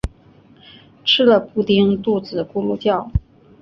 吃了布丁肚子咕噜叫